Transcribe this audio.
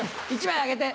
１枚あげて。